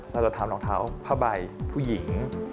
เราจะทำรองเท้าผ้าใบผู้หญิง